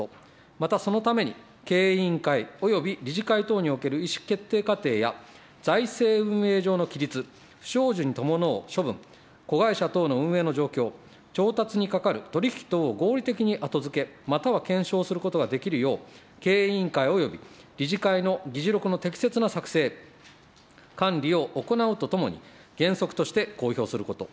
またそのために、経営委員会および理事会等における意思決定過程や、財政運営上の規律、不祥事に伴う処分、子会社等の運営の状況、調達にかかる取引等合理的に後付け、または検証することができるよう、経営委員会および理事会の議事録の適切な作成、管理を行うとともに、原則として公表すること。